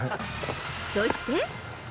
そして。